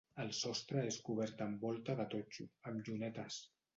El sostre és cobert amb volta de totxo, amb llunetes.